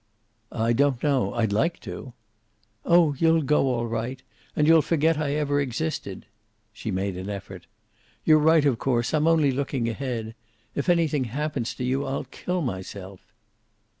"I don't know. I'd like to." "Oh, you'll go, all right. And you'll forget I ever existed." She made an effort. "You're right, of course. I'm only looking ahead. If anything happens to you, I'll kill myself."